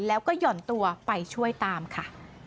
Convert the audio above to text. แล้วก็ห่อนตัวไปช่วยตามค่ะ